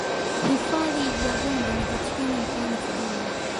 hifadhi ya gombe inapatikana mkoani kigoma